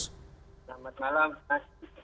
selamat malam pak